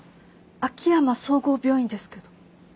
秋山総合病院ですけど。